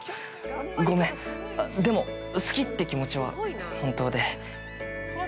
ごめん、でも好きって気持ちは本当で。